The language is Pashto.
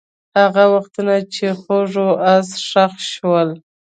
هغه وختونه چې خوږ وو، اوس ښخ شول.